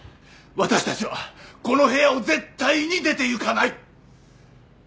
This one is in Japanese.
私たちはこの部屋を絶対に出ていかない！